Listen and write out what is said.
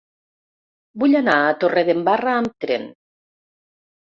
Vull anar a Torredembarra amb tren.